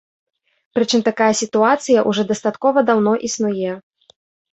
Прычым такая сітуацыя ўжо дастаткова даўно існуе.